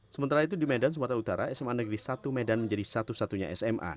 sementara itu di medan sumatera utara sma negeri satu medan menjadi satu satunya sma